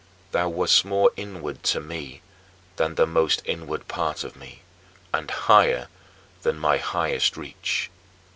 Thou wast more inward to me than the most inward part of me; and higher than my highest reach.